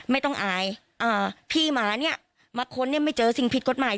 ไม่ต้องอายอ่าพี่หมาเนี่ยมาค้นเนี่ยไม่เจอสิ่งผิดกฎหมาย